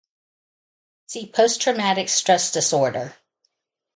See post-traumatic stress disorder.